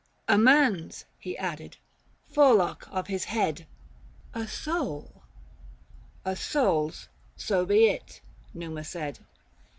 " A man's," he added. —" Forelock of his head." 365 " A soul." —" A sole's ; so be it," Numa said.